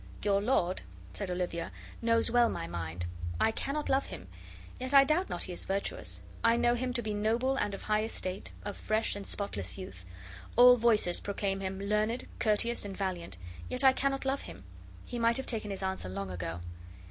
"Your lord," said Olivia, "knows well my mind. I cannot love him; yet I doubt not he is virtuous; I know him to be noble and of high estate, of fresh and spotless youth. All voices proclaim him learned, courteous, and valiant; yet I cannot love him. He might have taken his answer long ago."